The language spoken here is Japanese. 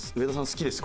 好きです